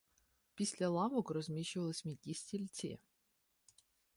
Після лавок розміщувались м'які стільці.